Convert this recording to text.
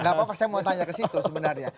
nah gak apa apa saya mau tanya kesitu sebenarnya